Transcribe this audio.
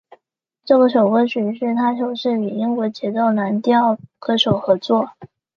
这首歌曲是他首次与英国节奏蓝调歌手合作。